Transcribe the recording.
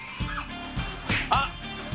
あっ！